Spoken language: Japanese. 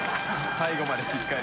最後までしっかり。